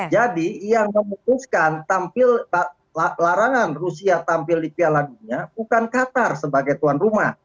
jadi yang memutuskan larangan rusia tampil di piala dunia bukan qatar sebagai tuan rumah